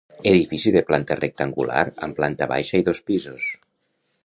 Edifici de planta rectangular, amb planta baixa i dos pisos.